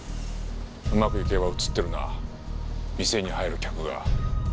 うまくいけば映ってるな店に入る客が。